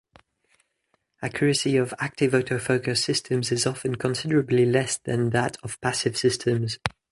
Accuracy of active autofocus systems is often considerably less than that of passive systems.